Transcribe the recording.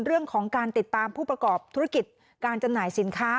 เรื่องของการติดตามผู้ประกอบธุรกิจการจำหน่ายสินค้า